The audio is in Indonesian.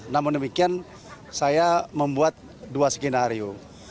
namun demikian saya membuat dua skenario